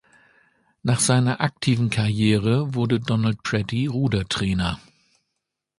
Nach seiner aktiven Karriere wurde Donald Pretty Rudertrainer.